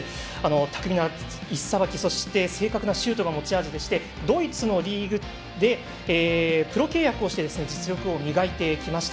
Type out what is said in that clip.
巧みな、いすさばきと正確なシュートが武器でドイツのチームとプロ契約をして実力を磨いてきました。